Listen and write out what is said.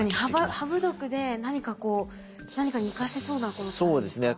ハブ毒で何かこう何かに生かせそうなことってあるんですか？